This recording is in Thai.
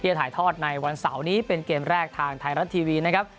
จะถ่ายทอดในวันเสาร์นี้เป็นเกมแรกทางไทยรัฐทีวีนะครับ